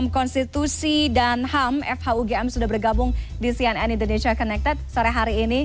konstitusi dan ham fhugm sudah bergabung di cnn indonesia connected sore hari ini